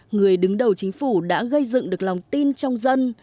người đứng đầu chính phủ đã gây dựng được lòng tin trong dân